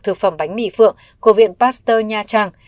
thực phẩm bánh mì phượng của viện pasteur nha trang